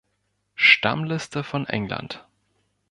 Stammliste von England